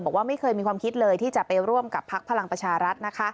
บอกว่าไม่เคยมีความคิดเลยที่จะไปร่วมกับพักพลังประชารัฐนะคะ